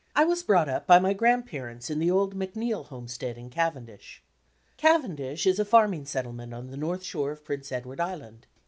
was brought up by my grandparents in the old Macneill Homestead in Cavendish. Cavendish is a farming settlement on the north shore of Prince Edward Island.